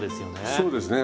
そうですね。